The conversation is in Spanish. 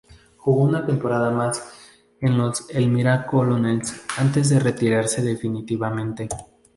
Jugó una temporada más, en los Elmira Colonels, antes de retirarse definitivamente.